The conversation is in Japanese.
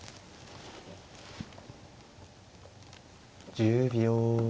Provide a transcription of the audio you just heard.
１０秒。